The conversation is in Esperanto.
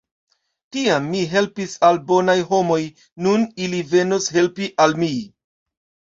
Tiam mi helpis al bonaj homoj, nun ili venos helpi al mi!